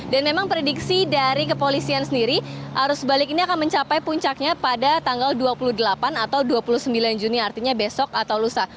dan memang prediksi dari kepolisian sendiri arus balik ini akan mencapai puncaknya pada tanggal dua puluh delapan atau dua puluh sembilan juni artinya besok atau lusa